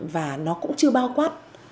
và nó cũng chưa bao quả